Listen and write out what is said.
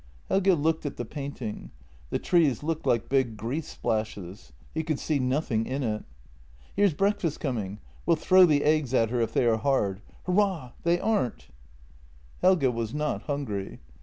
Helge looked at the painting; the trees looked like big grease splashes. He could see nothing in it. " Here's breakfast coming. We'll throw the eggs at her if they are hard. Hurrah, they aren't! " 42 JENNY Helge was not hungry.